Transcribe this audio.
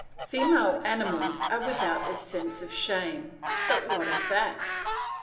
Female animals are without this sense of shame, but what of that?